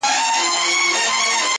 ډېوې پوري,